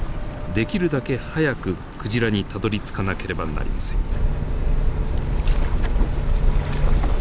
できるだけ早くクジラにたどりつかなければなりません。